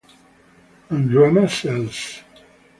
And drama sells.